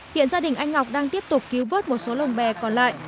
hiện gia đình anh ngọc đang tiếp tục cứu vớt một số lồng bè còn lại